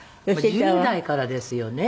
１０代からですよね？